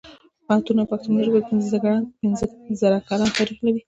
پښتون او پښتو ژبه پنځه زره کلن تاريخ لري.